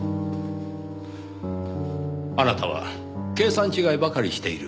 あなたは計算違いばかりしている。